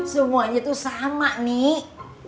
semuanya itu sama nek